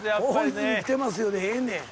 大泉来てますよでええねん。